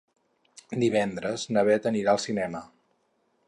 Divendres na Beth anirà al cinema.